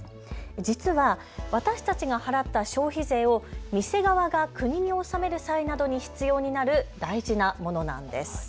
実は私たちが払った消費税を店側が国に納める際などに必要になる大事なものなんです。